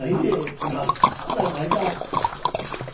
ちゅうなそんなんないか？